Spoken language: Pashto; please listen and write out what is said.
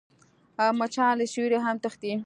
مچان له سیوري هم تښتي